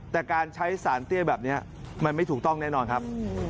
แต่การใช้สารเตี้ยแบบนี้มันไม่ถูกต้องแน่นอนครับ